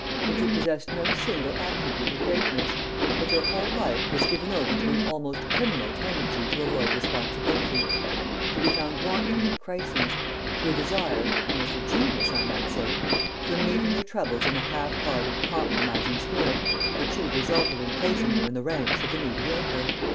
That you possessed no single attribute of greatness. That your whole life was given over to an almost criminal tendency to avoid responsibility; to be found wanting at crises; to a desire, almost a genius I might say, for meeting your troubles in a half hearted, compromising spirit which should have resulted in placing you in the ranks of the mediocre.